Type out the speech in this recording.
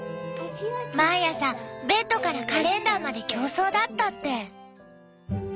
毎朝ベッドからカレンダーまで競争だったって。